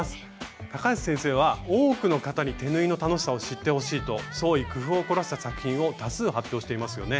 高橋先生は多くの方に手縫いの楽しさを知ってほしいと創意工夫を凝らした作品を多数発表していますよね。